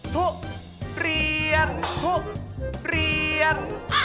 ทุกเตรียน